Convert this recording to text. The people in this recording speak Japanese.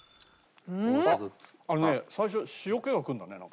あっあのね最初塩気がくるんだねなんか。